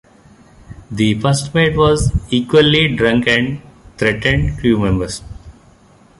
The first mate was equally drunk and threatened crew members.